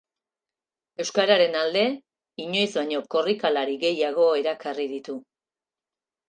Euskararen alde inoiz baino korrikalari gehiago erakarri ditu.